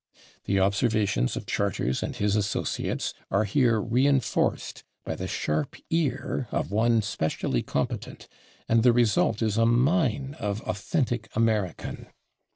The observations of Charters and his associates are here reinforced by the sharp ear of one specially competent, and the result is a mine of authentic American.